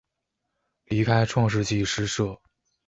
离开创世纪诗社。